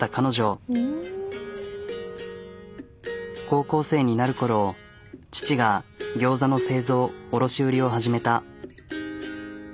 高校生になる頃父がギョーザの製造卸売りを始めた。